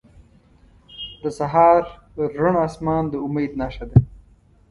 • د سهار روڼ آسمان د امید نښه ده.